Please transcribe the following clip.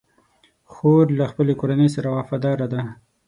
خور له خپلې کورنۍ سره وفاداره ده.